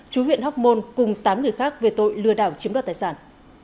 chú huyện hóc môn cùng tám người khác về tội lừa đảo chiếm đoạt tài sản